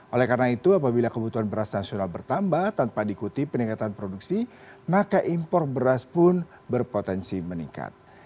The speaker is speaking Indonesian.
oleh karena itu apabila kebutuhan beras nasional bertambah tanpa dikuti peningkatan produksi maka impor beras pun berpotensi meningkat